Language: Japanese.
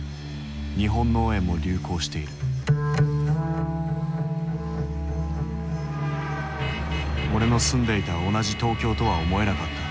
日本脳炎も流行している俺の住んでいた同じ東京とは思えなかった。